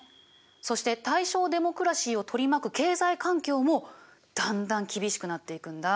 そして大正デモクラシーを取り巻く経済環境もだんだん厳しくなっていくんだ。